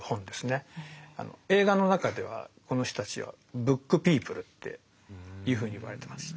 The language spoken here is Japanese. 映画の中ではこの人たちは「ブックピープル」っていうふうに言われてます。